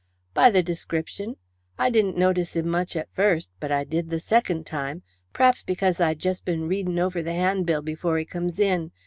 "By the description. I didn't notice him much at first, but I did the second time, perhaps because I'd just been reading over the 'andbill before he come in.